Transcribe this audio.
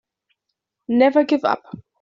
Never give up.